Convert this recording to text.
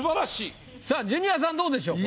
さぁジュニアさんどうでしょう？